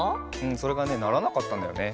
んそれがねならなかったんだよね。